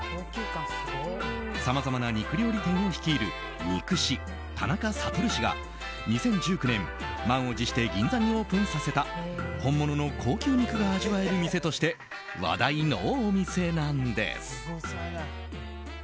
さまざまな肉料理店を率いる肉師田中覚氏が２０１９年、満を持して銀座にオープンさせた本物の高級肉が味わえる店として話題のお店なんです。